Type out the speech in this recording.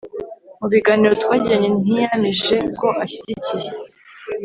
mu biganiro twagiranye, ntiyampishe ko ashyigikiye